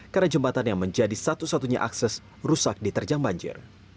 karena jembatan yang menjadi satu satunya akses rusak diterjang banjir